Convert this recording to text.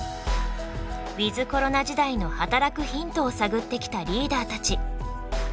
ウィズコロナ時代の働くヒントを探ってきたリーダーたち。